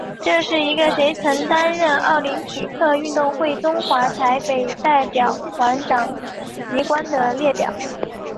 这是一个谁曾担任奥林匹克运动会中华台北代表团掌旗官的列表。